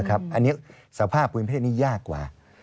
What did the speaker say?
อันนี้สภาพภูมิประเทศนี้ยากกว่า